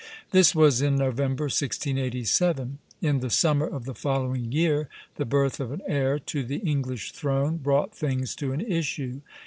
This was in November, 1687. In the summer of the following year the birth of an heir to the English throne brought things to an issue.